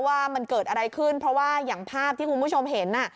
ว่ามันเกิดอะไรขึ้นเพราะว่าอย่างภาพที่คุณผู้ชมเห็น